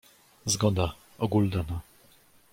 "„Zgoda: o guldena."